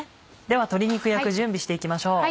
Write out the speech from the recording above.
では鶏肉焼く準備して行きましょう。